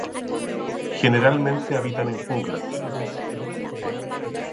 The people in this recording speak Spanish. Generalmente habitan en junglas.